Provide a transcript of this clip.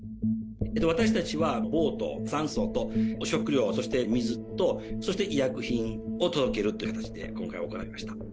私たちはボート３艘と、食料、そして水と、そして医薬品を届けるって形で、今回行いました。